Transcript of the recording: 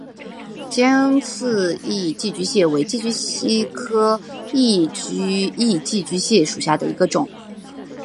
尖刺异寄居蟹为寄居蟹科异寄居蟹属下的一个种。